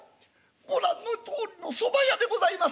「ご覧のとおりのそば屋でございます。